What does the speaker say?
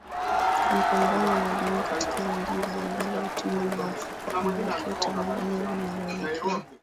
kumkomboa mwanadamu katika nyanja mbali mbali hasa utumwa wa fikra muelekeo Utamaduni huu unauelekeo